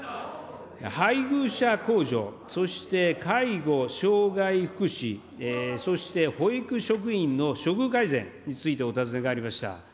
配偶者控除、そして介護、障害福祉、そして保育職員の処遇改善についてお尋ねがありました。